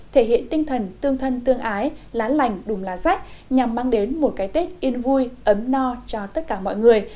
thể hiện tinh thần tương thân tương ái lá lành đùm lá rách nhằm mang đến một cái tết yên vui ấm no cho tất cả mọi người